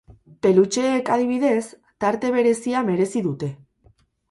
Pelutxeek, adibidez, tarte berezia merezi dute.